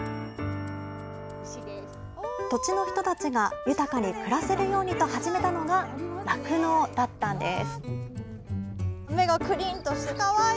土地の人たちが豊かに暮らせるようにと始めたのが、酪農だったんです。